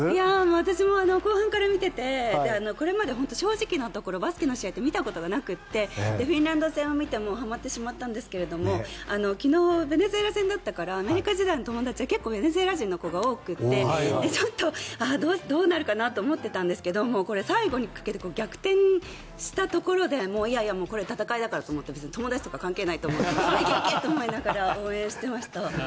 私も後半から見ててこれまで正直なところバスケの試合って見たことがなくてフィンランド戦を見てはまってしまったんですけど昨日、ベネズエラ戦だったからアメリカ時代の友達に結構、ベネズエラ人の子が多くてちょっとどうなるかなって思っていたんですけど最後にかけて逆転したところでもう、これは戦いだからと思って友達とか関係ないと思って行け行け！と思いながら応援していました。